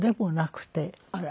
あら。